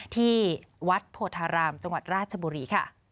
ที่วัดโพธารามจังหวัดราชบุรีค่ะ